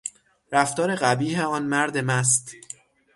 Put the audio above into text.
رفتار قبیح آن مرد مست